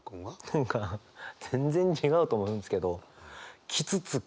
何か全然違うと思うんですけど「きつつき」。